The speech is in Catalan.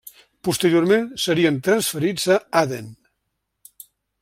Posteriorment serien transferits a Aden.